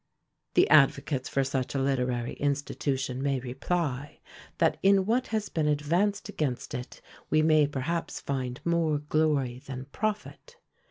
The advocates for such a literary institution may reply, that in what has been advanced against it we may perhaps find more glory than profit.